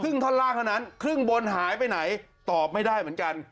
ท่อนล่างเท่านั้นครึ่งบนหายไปไหนตอบไม่ได้เหมือนกัน